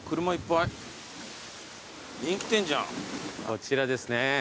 こちらですね。